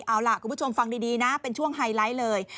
เอาล่ะคุณผู้ชมฟังดีนะเป็นช่วงไฮไลท์เลย